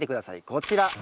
こちら。